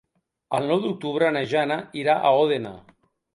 El nou d'octubre na Jana irà a Òdena.